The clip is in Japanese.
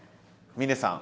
峰さん。